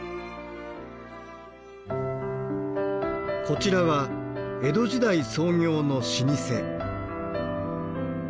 こちらは江戸時代創業の老舗。